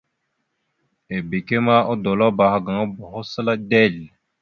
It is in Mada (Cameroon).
Ebeke ma odolabáaha gaŋa boho səla dezl.